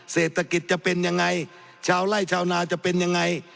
เศรษฐกิจจะเป็นยังไงชาวไล่ชาวนาจะเป็นยังไง